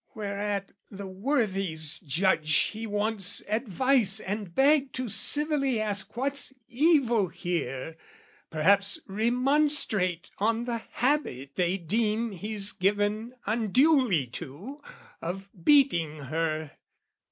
Whereat the worthies judge he wants advice And beg to civilly ask what's evil here, Perhaps remonstrate on the habit they deem He's given unduly to, of beating her